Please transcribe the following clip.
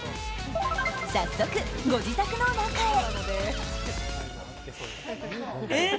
早速、ご自宅の中へ。